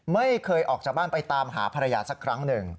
ไม่เคยออกจากบ้านไปตามหาภรรยาสักครั้งหนึ่ง